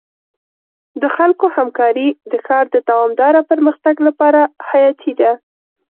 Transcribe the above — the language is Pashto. د خلکو همکاري د ښار د دوامدار پرمختګ لپاره حیاتي ده.